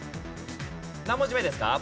何文字目ですか？